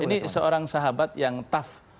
ini seorang sahabat yang tough